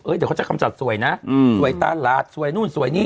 เดี๋ยวเขาจะกำจัดสวยนะสวยตลาดสวยนู่นสวยนี่